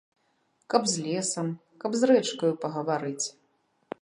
Каб з лесам, каб з рэчкаю пагаварыць.